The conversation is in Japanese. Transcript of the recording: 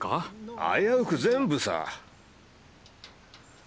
あやうく全部さ。